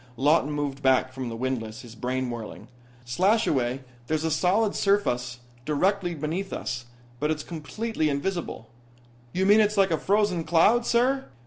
Lawton moved back from the windlass, his brain whirling. "Slashaway there's a solid surface directly beneath us, but it's completely invisible." "You mean it's like a frozen cloud, sir?"